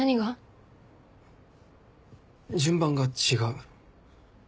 順番が違う。